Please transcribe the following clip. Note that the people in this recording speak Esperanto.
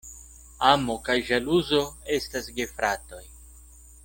Amo kaj ĵaluzo estas gefratoj.